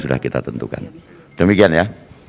sudah kita tentukan demikian ya